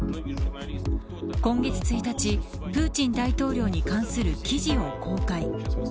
今月１日、プーチン大統領に関する記事を公開